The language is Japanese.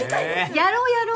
やろやろ。